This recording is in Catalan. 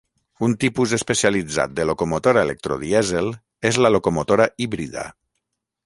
Un tipus especialitzat de locomotora electrodièsel és la locomotora híbrida.